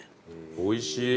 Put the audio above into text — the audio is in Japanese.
おいしい。